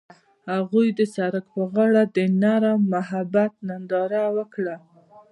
هغوی د سړک پر غاړه د نرم محبت ننداره وکړه.